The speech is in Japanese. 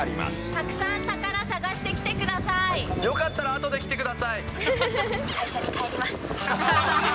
たくさん宝探してきてくださよかったらあとで来てくださ会社に帰ります。